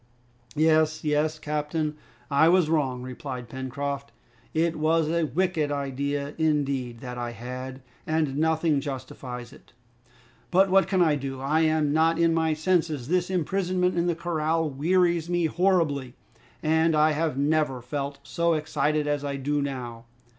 "Yes, yes, captain, I was wrong," replied Pencroft; "it was a wicked idea indeed that I had, and nothing justifies it. But what can I do? I'm not in my senses. This imprisonment in the corral wearies me horribly, and I have never felt so excited as I do now.